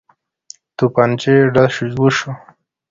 توپنچې ډز وشو.